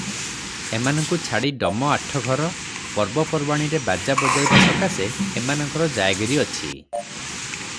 ଏମାନଙ୍କୁ ଛାଡ଼ି ଡମ ଆଠ ଘର, ପର୍ବପର୍ବାଣୀରେ ବାଜା ବଜାଇବା ସକାଶେ ଏମାନଙ୍କର ଜାୟଗିରି ଅଛି ।